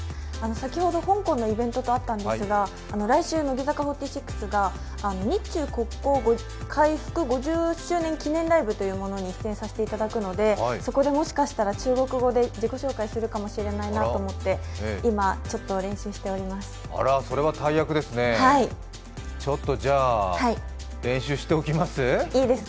先ほど香港のイベントとあったんですが、来週乃木坂４６が日中国交回復５０周年の記念ライブというものに出演させていただくので、そこでもしかしたら中国語で自己紹介するかもしれないなと思って、今、ちょっと練習しております。